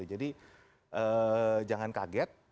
jadi jangan kaget